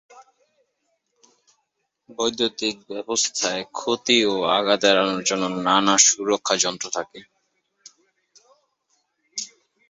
বৈদ্যুতিক ব্যবস্থায় ক্ষতি ও আঘাত এড়ানোর জন্য নানা সুরক্ষা যন্ত্র থাকে।